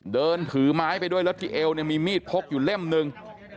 เดินถือไม้ไปด้วยแล้วที่เอวเนี่ยมีมีดพกอยู่เล่มหนึ่ง